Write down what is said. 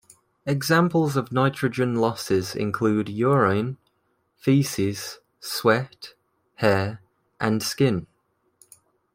Examples of nitrogen losses include urine, feces, sweat, hair, and skin.